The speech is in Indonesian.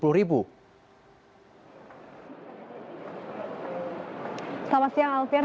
selamat siang alfian